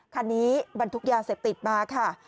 คันนี้บรรทุกยาเสพติดมาค่ะ